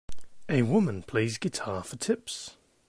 A woman plays guitar for tips